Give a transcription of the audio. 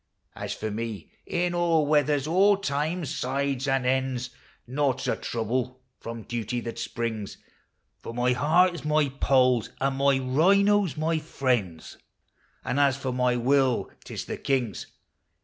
As for me, in all weathers, all times, sides, and ends, Naught 's a trouble from duty that springs, For my heart is my Poll's, and my rhino 's my friend's, And as for my will, 't is the king's.